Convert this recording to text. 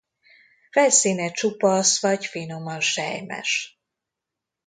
Felszíne csupasz vagy finoman selymes.